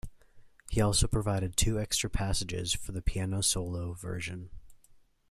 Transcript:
He also provided two extra passages for the piano solo version.